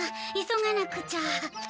急がなくちゃ。